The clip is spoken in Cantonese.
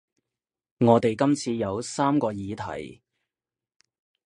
我哋今次有三個議題